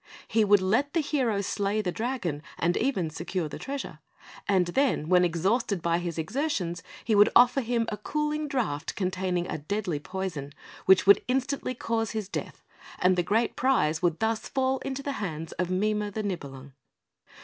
He would let the hero slay the dragon and even secure the treasure; and then, when exhausted by his exertions, he would offer him a cooling draught containing a deadly poison, which should instantly cause his death, and the great prize would thus fall into the hands of Mime the Nibelung.